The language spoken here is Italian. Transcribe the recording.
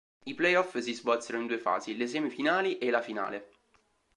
I play-off si svolsero in due fasi: le semifinali e la finale.